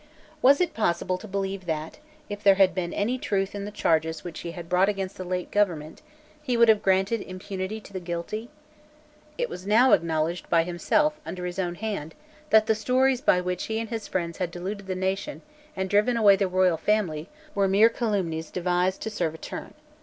Was it possible to believe that, if there had been any truth in the charges which he had brought against the late government, he would have granted impunity to the guilty? It was now acknowledged by himself, under his own hand, that the stories by which he and his friends had deluded the nation and driven away the royal family were mere calumnies devised to serve a turn.